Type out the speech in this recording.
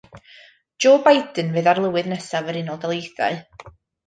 Joe Biden fydd arlywydd nesaf yr Unol Daleithiau.